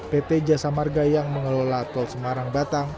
pt jasa marga yang mengelola tol semarang batang